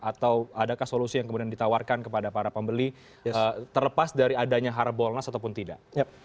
atau adakah solusi yang kemudian ditawarkan kepada para pembeli terlepas dari adanya harbolnas ataupun tidak